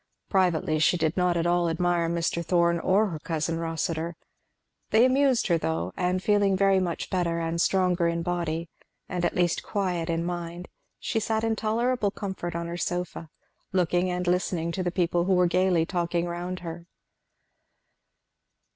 Privately she did not at all admire Mr. Thorn or her cousin Rossitur. They amused her though; and feeling very much better and stronger in body, and at least quiet in mind, she sat in tolerable comfort on her sofa, looking and listening to the people who were gayly talking around her.